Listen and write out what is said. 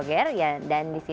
kita tunggu apa itu